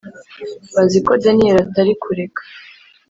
Bazi ko daniyeli atari kureka